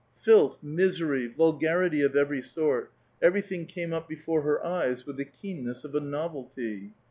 Filth, misery, vulgarity of every sort, — everything came up before her eyes with the keenness of a novelty.